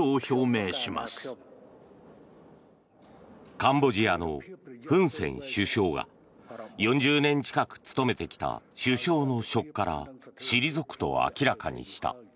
カンボジアのフン・セン首相が４０年近く務めてきた首相の職から退くと明らかにした。